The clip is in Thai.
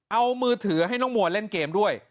เอามือถือให้น้องมัวเล่นเกมด้วย